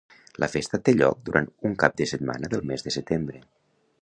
La festa té lloc durant un cap de setmana del mes de setembre.